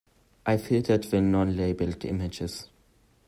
I filtered the non labelled images.